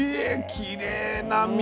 きれいな身。